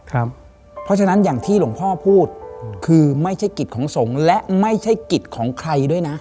เพราะฉะนั้นอย่างที่หลวงพ่อพูดคือไม่ใช่กิจของสงฆ์และไม่ใช่กิจของใครด้วยนะ